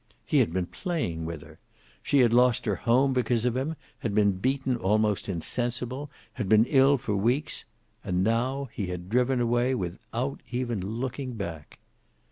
He had been playing with her. She had lost her home because of him, had been beaten almost insensible, had been ill for weeks, and now he had driven away, without even looking back.